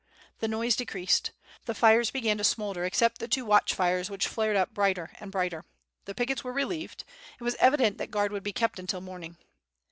The noise decreased. The fires began to smoulder, except the two watch fires which flared up brighter and brighter. The pickets were relieved; it was evident that guard would be kept until morning.